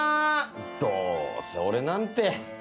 どうせ俺なんて。